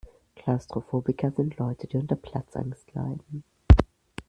Klaustrophobiker sind Leute, die unter Platzangst leiden.